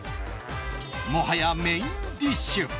もはやメインディッシュ！